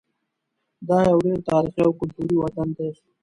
دا یو ډېر تاریخي او کلتوري وطن دی.